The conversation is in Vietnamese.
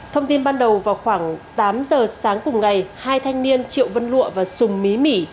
thông tin ban đầu vào khoảng tám giờ sáng cùng ngày hai thanh niên triệu vân lụa và sùng mí